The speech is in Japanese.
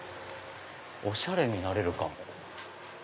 おしゃれになれるかも。